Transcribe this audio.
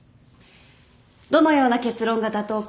どのような結論が妥当か